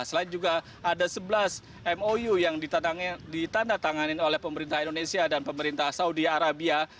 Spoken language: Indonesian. selain juga ada sebelas mou yang ditanda tangani oleh pemerintah indonesia dan pemerintah saudi arabia